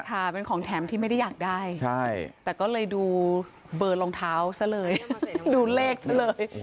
ค่ะเป็นของแถมที่ไม่ได้อยากได้ใช่แต่ก็เลยดูเบอร์รองเท้าซะเลยดูเลขซะเลย